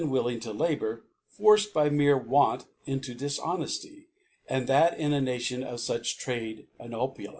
willing jo abour, forced b^y mc/e Want into Di^ nefty, and thac in a J^ation of fiich Trade and Opuknce.